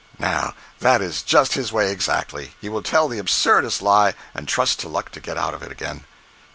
Now, that is just his way, exactly—he will tell the absurdest lie, and trust to luck to get out of it again.